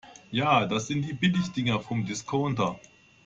Ja, das sind Billigdinger vom Discounter.